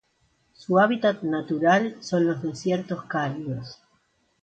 Su hábitat natural son los desiertos cálidos.